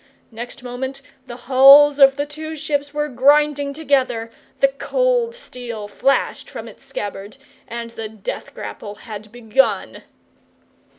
Next moment the hulls of the two ships were grinding together, the cold steel flashed from its scabbard, and the death grapple had begun.